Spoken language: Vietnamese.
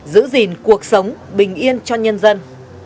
giữ gìn cuộc sống bình yên cho nhân dân